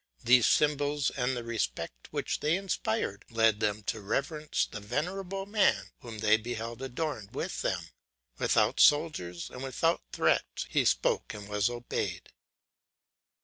These symbols, and the respect which they inspired, led them to reverence the venerable man whom they beheld adorned with them; without soldiers and without threats, he spoke and was obeyed.